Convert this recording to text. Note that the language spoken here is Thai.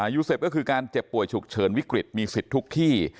ยูเซฟก็คือการเจ็บป่วยฉุกเฉินวิกฤตมีสิทธิ์ทุกที่